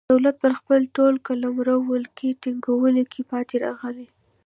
دولت پر خپل ټول قلمرو ولکې ټینګولو کې پاتې راغلی.